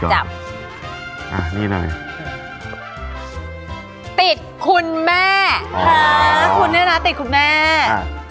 จับอ่ะนี่เลยติดคุณแม่อ๋อคุณด้วยนะติดคุณแม่อ่ะ